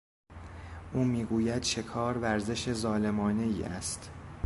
او میگوید شکار ورزش ظالمانهای است.